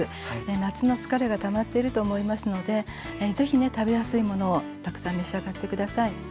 夏の疲れがたまっていると思いますのでぜひね食べやすいものをたくさん召し上がって下さい。